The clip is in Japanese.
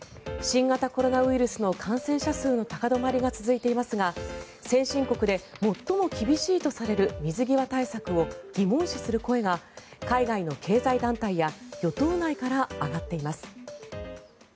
新型コロナウイルスの感染者数の高止まりが続いていますが先進国で最も厳しいとされる水際対策を疑問視する声が海外の経済団体や与党内から上がっています。